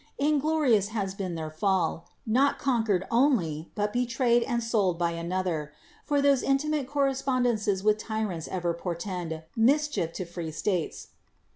Inglorious has been their fall, not conquered only, but betrayed and sold by one another; for those intimate correspondences with tyrants ever portend mischief to free states."